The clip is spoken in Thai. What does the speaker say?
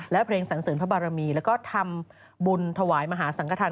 และเพลงสรรเสริมพระบารมีแล้วก็ทำบุญถวายมหาสังกษัตริย์